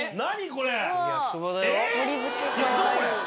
これ。